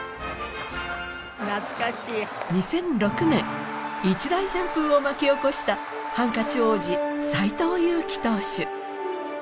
２００６年一大旋風を巻き起こしたハンカチ王子斎藤佑樹投手